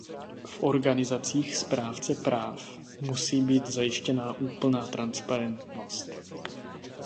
V organizacích správce práv musí být zajištěna úplná transparentnost.